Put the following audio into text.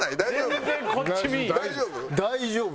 大丈夫？